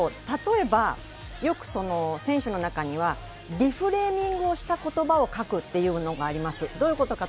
例えば、よく選手の中にはラフレーミングした言葉を書くというのがあります。